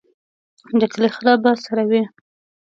د کلي خره به څروي.